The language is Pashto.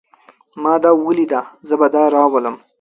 ما دا وليده. زه به دا راولم.